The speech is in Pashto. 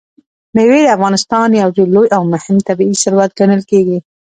مېوې د افغانستان یو ډېر لوی او مهم طبعي ثروت ګڼل کېږي.